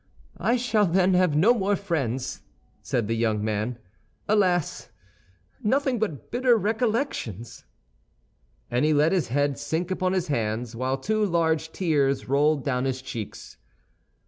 "I shall then have no more friends," said the young man. "Alas! nothing but bitter recollections." And he let his head sink upon his hands, while two large tears rolled down his cheeks.